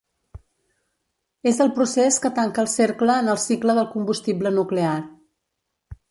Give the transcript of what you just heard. És el procés que tanca el cercle en el cicle del combustible nuclear.